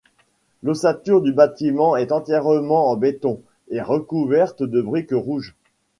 L’ossature du bâtiment est entièrement en béton et recouverte de briques rouges.